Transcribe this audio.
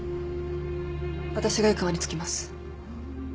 私が湯川に付きます。